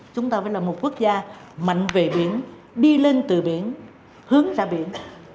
chúng ta phải là một quốc gia mạnh về biển đi lên từ biển hướng ra biển